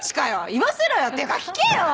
言わせろよっていうか聞けよ！